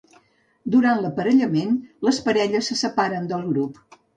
Durant l'aparellament, les parelles se separen del grup.